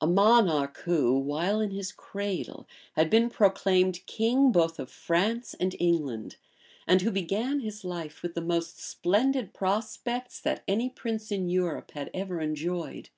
a monarch, who, while in his cradle, had been proclaimed king both of France and England, and who began his life with the most splendid prospects that any prince in Europe had ever enjoyed.